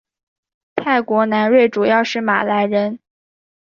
泰国南端主要是马来人。